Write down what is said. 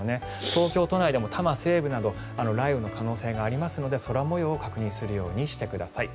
東京都内でも多摩西部などでも雷雨の可能性がありますので空模様を確認するようにしてください。